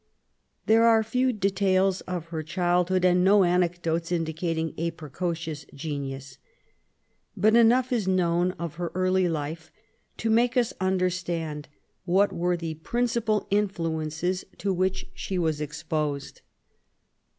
There are few details of her childhood, and no anecdotes indicating a precocious genius. But enough is known of her early life to make us understand what were the principal influences to which she was exposed.